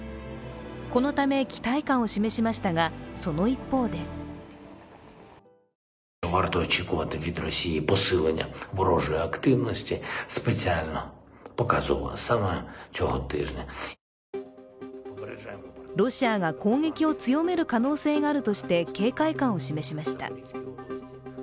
このため期待感を示しましたがその一方でロシアが攻撃を強める可能性があるとして警戒感を示しました。